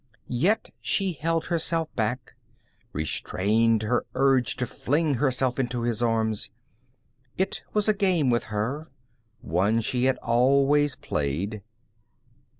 Yet she held herself back, restrained her urge to fling herself into his arms. It was a game with her, one she had always played.